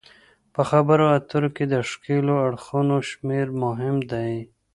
په خبرو اترو کې د ښکیلو اړخونو شمیر مهم دی